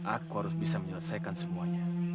aku harus bisa menyelesaikan semuanya